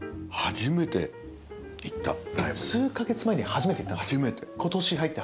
数か月前に初めて行ったんですか